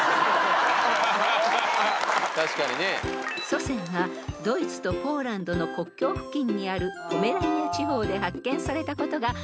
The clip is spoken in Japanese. ［祖先がドイツとポーランドの国境付近にあるポメラニア地方で発見されたことが名前の由来］